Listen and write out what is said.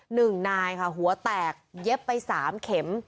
หนึ่งนายค่ะหัวแตกเย็บไปสามเข็ม